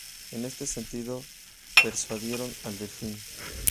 En este sentido persuadieron al delfín.